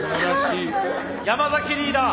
山リーダー